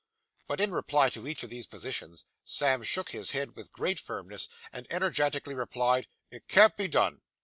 But in reply to each of these positions, Sam shook his head with great firmness, and energetically replied, 'It can't be done.